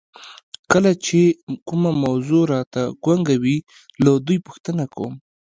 کله چې کومه موضوع راته ګونګه وي له دوی پوښتنه کوم.